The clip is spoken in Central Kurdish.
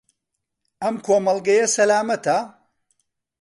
ئەم کۆمەڵگەیە سەلامەتە؟